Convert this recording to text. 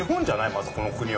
まずこの国は。